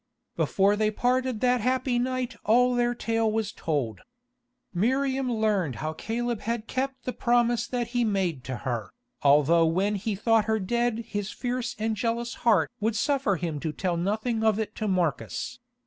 Before they parted that happy night all their tale was told. Miriam learned how Caleb had kept the promise that he made to her, although when he thought her dead his fierce and jealous heart would suffer him to tell nothing of it to Marcus.